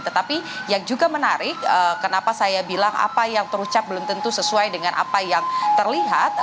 tetapi yang juga menarik kenapa saya bilang apa yang terucap belum tentu sesuai dengan apa yang terlihat